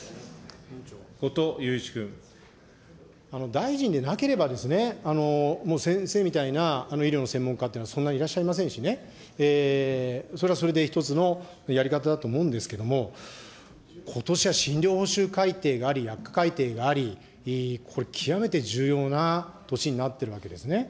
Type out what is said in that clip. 大臣でなければですね、もう先生みたいな、医療の専門家っていうのはそんなにいらっしゃいませんしね、それはそれで一つのやり方だと思うんですけれども、ことしは診療報酬改定があり、薬価改定があり、これ極めて重要な年になってるわけですね。